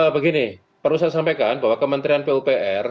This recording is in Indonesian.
begini perlu saya sampaikan bahwa kementerian pupr